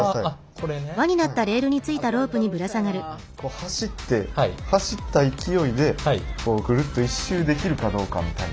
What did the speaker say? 走って走った勢いでこうグルッと１周できるかどうかみたいな。